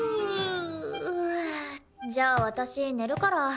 じゃあ私寝るから。